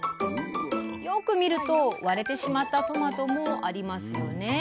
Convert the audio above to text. よく見ると割れてしまったトマトもありますよね。